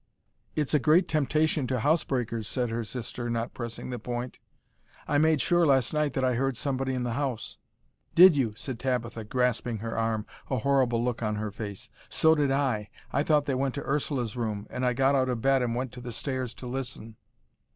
"It's a great temptation to housebreakers," said her sister, not pressing the point. "I made sure last night that I heard somebody in the house." "Did you?" said Tabitha, grasping her arm, a horrible look on her face. "So did I. I thought they went to Ursula's room, and I got out of bed and went on the stairs to listen."